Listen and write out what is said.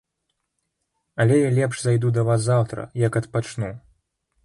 Але я лепш зайду да вас заўтра, як адпачну.